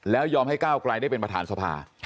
แล้วยอมให้ก้าวไกลได้เป็นประธานสภา